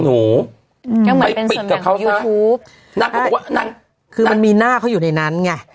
หนูไปปิดกับเขาใช่ไหมนางก็บอกว่านางคือมันมีหน้าเขาอยู่ในนั้นไง